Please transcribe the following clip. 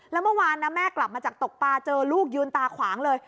แล้วเมื่อวานนะแม่กลับมาจากตกปลาเจอลูกยืนตาขวางเลย